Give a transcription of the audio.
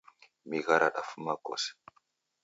Migha radamfuma kose